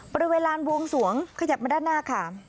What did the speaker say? บริเวณลานบวงสวงขยับมาด้านหน้าค่ะ